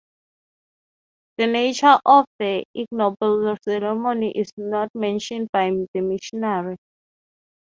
The nature of the ignoble ceremony is not mentioned by the missionary.